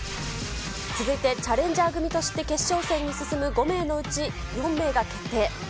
続いてチャレンジャー組として決勝戦に進む５名のうち、４名が決定。